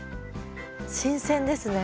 新鮮ですね。